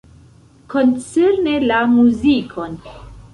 Koncerne la muzikon.